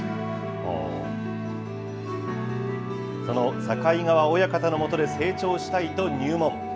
その境川親方のもとで成長したいと入門。